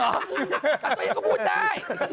อันตัวเยี้ยะก็พูดได้